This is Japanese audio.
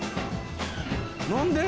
何で？